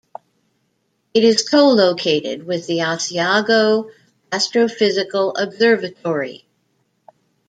It is co-located with the Asiago Astrophysical Observatory.